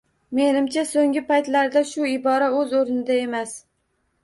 Menimcha, so‘ngi paytlarda shu ibora o‘z o‘rnida emas